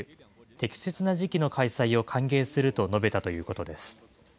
適切な時期の開催を歓迎すると述べたということです。